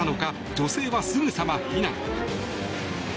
女性はすぐさま避難。